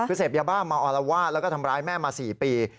คือเสพยาบ้ามาอลวาดแล้วก็ทำร้ายแม่มา๔ปี